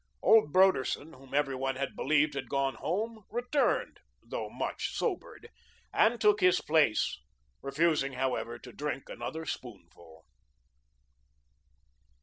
Old Broderson, whom every one had believed had gone home, returned, though much sobered, and took his place, refusing, however, to drink another spoonful.